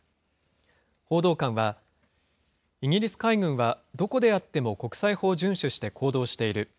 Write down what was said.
報道官は、イギリス海軍はどこであっても国際法を順守して行動している。